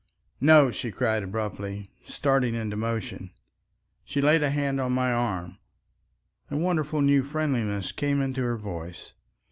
"No," she cried abruptly, starting into motion. She laid a hand on my arm. A wonderful new friendliness came into her voice.